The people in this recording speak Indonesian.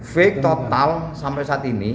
fake total sampai saat ini